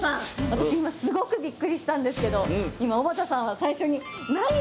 私今すごくびっくりしたんですけど今小幡さんは最初に何をしたでしょうか？